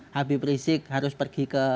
habib rizik harus pergi ke